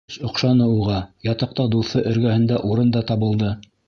Эш оҡшаны уға, ятаҡта дуҫы эргәһендә урын да табылды.